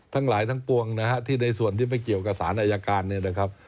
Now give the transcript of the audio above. ทั้งหลายทั้งปวงนะฮะที่ในส่วนที่ไม่เกี่ยวกับสารอายการเนี่ยนะครับ